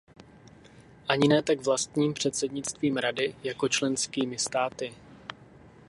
Ani ne tak vlastním předsednictvím Rady, jako členskými státy.